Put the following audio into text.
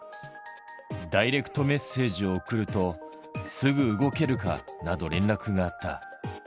ダイレクトメッセージを送ると、すぐ動けるか？など連絡があった。